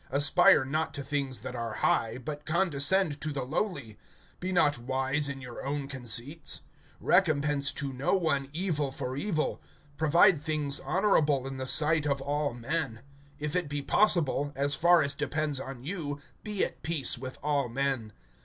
Aspire not to things that are high, but condescend to the lowly. Be not wise in your own conceits. (17)Recompense to no one evil for evil. Provide things honorable in the sight of all men. (18)If it be possible, as far as depends on you, be at peace with all men.